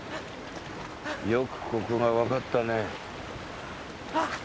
よくここが分かったね